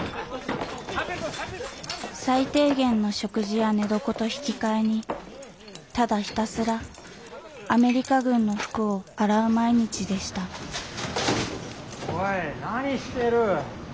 最低限の食事や寝床と引き換えにただひたすらアメリカ軍の服を洗う毎日でした・おい何してる。